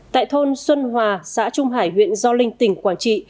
tại thôn xuân hòa xã trung hải huyện do linh tỉnh quảng trị